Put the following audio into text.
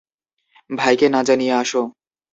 ভাইকে না জানিয়ে আসো।